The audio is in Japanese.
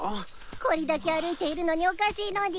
こりだけ歩いているのにおかしいのでぃす。